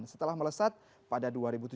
setelah melesat pada dua ribu tujuh belas